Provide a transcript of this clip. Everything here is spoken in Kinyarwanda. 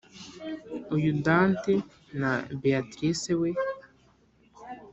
uyu dante na beatrice we!